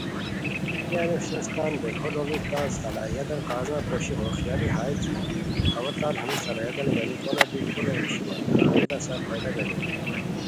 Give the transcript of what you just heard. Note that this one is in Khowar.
ای انوس ہیس تان بیکھو لُوڑی تان صلاحیتان کاغذان پوشی ہو خیالی ہائے کی اوا تان ہمی صلاحیتان گنی پونہ بی کونو نیشیمان کا ہمیتان سار فائدہ گنینی